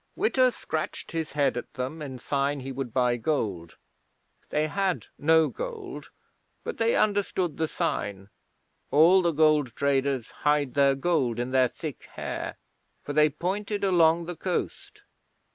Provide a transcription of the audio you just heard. Witta scratched his head at them in sign he would buy gold. They had no gold, but they understood the sign (all the gold traders hide their gold in their thick hair), for they pointed along the coast.